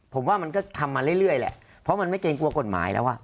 ผมว่ามันก็ทำมาเรื่อยแหละเพราะมันไม่เกรงกลัวกฎหมายแล้ว